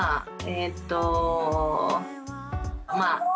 えーっとまあ。